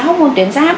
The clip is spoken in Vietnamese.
hormôn tuyệt giác